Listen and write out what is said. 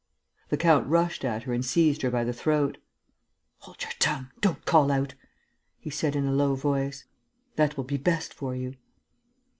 The count rushed at her and seized her by the throat: "Hold your tongue ... don't call out!" he said, in a low voice. "That will be best for you!..."